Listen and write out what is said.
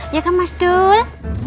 ya kan mas dul